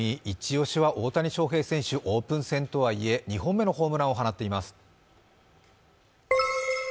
イチ押しは大谷翔平選手、オープン戦とはいえ２年目のホームランを放っています